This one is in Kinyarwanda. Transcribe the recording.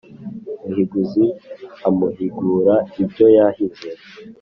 muhiguzi amuhigura ibyo yahize